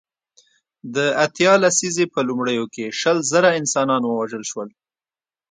د اتیا لسیزې په لومړیو کې شل زره انسانان ووژل شول.